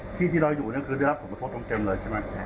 ซึ่งที่ที่เราอยู่ได้รับสมทบตรงเต็มเลยใช่ไหม